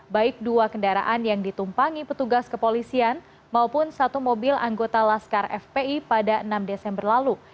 baik dua kendaraan yang ditumpangi petugas kepolisian maupun satu mobil anggota laskar fpi pada enam desember lalu